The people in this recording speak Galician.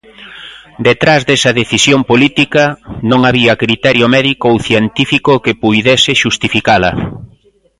Detrás desa decisión política non había criterio médico ou científico que puidese xustificala.